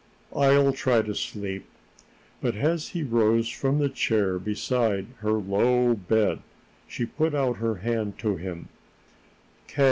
"I'll try to sleep." But, as he rose from the chair beside her low bed, she put out her hand to him.